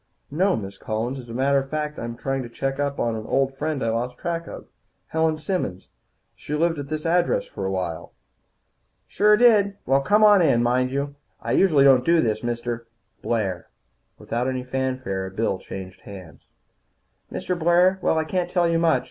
"No, Miss Collins. As a matter of fact, I'm trying to check up on an old friend I lost track of. Helen Simmons. She lived at this address for a while." "Sure did. Well, come on in. Mind you, I don't usually do this, Mr. " "Blair." Without any fanfare a bill changed hands. "Mr. Blair. Well, I can't tell you much.